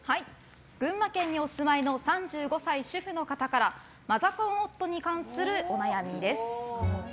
群馬県にお住まいの３５歳主婦の方からマザコン夫に関するお悩みです。